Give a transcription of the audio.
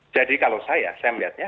jadi kalau saya saya melihatnya